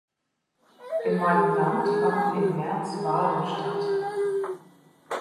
In meinem Land fanden im März Wahlen statt.